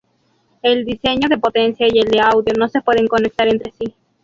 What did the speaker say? El diseño de potencia y el de audio no se pueden conectar entre sí.